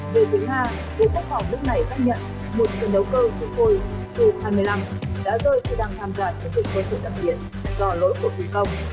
về tính nga quốc phòng nước này xác nhận một chiến đấu cơ sukhoi su hai mươi năm đã rơi khi đang tham gia chiến dịch quân sự đặc biệt do lỗi của khí công